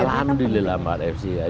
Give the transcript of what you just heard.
alhamdulillah mbak aisyah